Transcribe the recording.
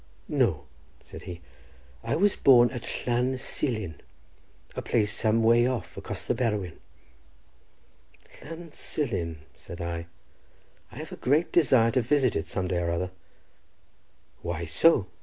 "No," said he; "I was born at Llan Silin, a place some way off across the Berwyn." "Llan Silin?" said I; "I have a great desire to visit it some day or other." "Why so?"